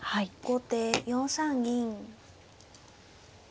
後手４三銀。